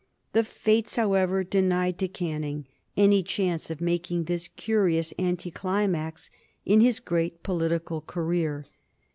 The fates, however, denied to Canning any chance of making this curious anticlimax in his great political career.